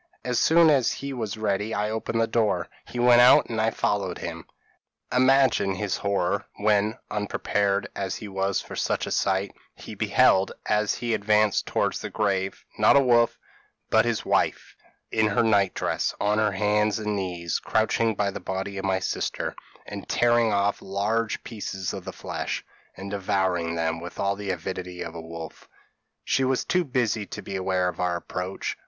As soon as he was ready I opened the door; he went out, and I followed him. "Imagine his horror, when (unprepared as he was for such a sight) he beheld, as he advanced towards the grave not a wolf, but his wife, in her night dress, on her hands and knees, crouching by the body of my sister, and tearing off large pieces of the flesh, and devouring them with all the avidity of a wolf. She was too busy to be aware of our approach.